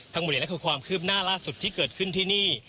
ทั้งหมดนี้คือความคืบหน้าล่าสุดที่เกิดขึ้นที่นี่